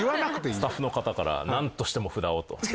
スタッフの方からなんとしても札をと。